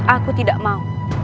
aku tidak mau